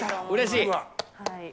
うれしい。